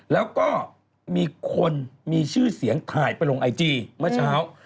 แล้วก็มีคนมีชื่อเสียงถ่ายไปลงไอจีเมื่อเช้า